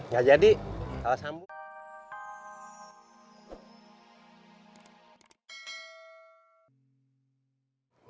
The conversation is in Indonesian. gak jadi kalau sambut